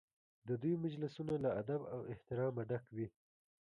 د دوی مجلسونه له ادب او احترامه ډک وي.